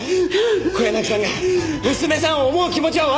小柳さんが娘さんを思う気持ちはわかります。